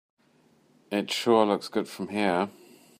It sure looks good from here.